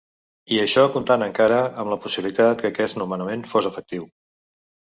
I això comptant encara amb la possibilitat que aquests nomenament fos efectiu.